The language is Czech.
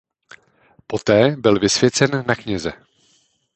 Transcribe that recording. Poté byl vysvěcen na kněze.